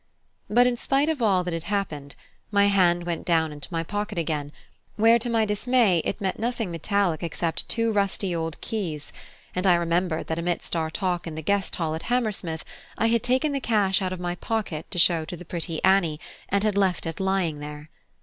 But in spite of all that had happened, my hand went down into my pocket again, where to my dismay it met nothing metallic except two rusty old keys, and I remembered that amidst our talk in the guest hall at Hammersmith I had taken the cash out of my pocket to show to the pretty Annie, and had left it lying there.